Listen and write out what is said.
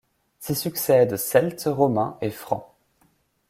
S'y succèdent Celtes, Romains et Francs.